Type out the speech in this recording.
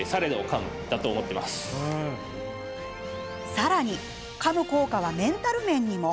さらにかむ効果はメンタル面にも。